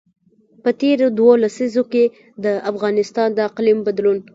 په تېرو دوو لسیزو کې افغانستان د اقلیم بدلون.